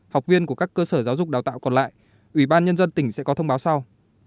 học viên của các cơ sở giáo dục đào tạo còn lại ủy ban nhân dân tỉnh sẽ có thông báo sau